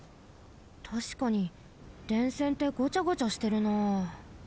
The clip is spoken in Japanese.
たしかに電線ってごちゃごちゃしてるなあ。